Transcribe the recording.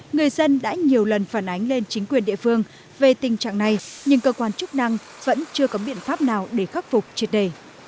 người dân đã nhiều lần phản ánh lên chính quyền địa phương về tình trạng này nhưng cơ quan chức năng vẫn chưa có biện pháp nào để khắc phục triệt đề